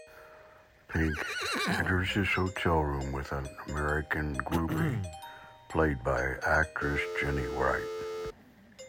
Pink enters his hotel room with an American groupie, played by actress Jenny Wright.